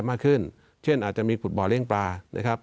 มากขึ้นเช่นอาจจะมีผุดบ่อเลี้ยงปลา